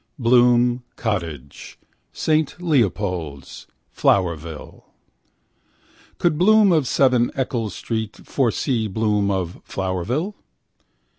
Bloom Cottage. Saint Leopold's. Flowerville. Could Bloom of 7 Eccles street foresee Bloom of Flowerville?